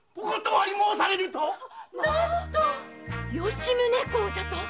吉宗公じゃと？